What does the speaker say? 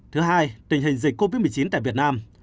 thứ hai tình hình dịch covid một mươi chín tại việt nam